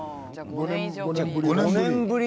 ５年ぶりに？